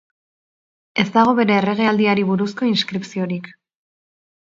Ez dago bere erregealdiari buruzko inskripziorik.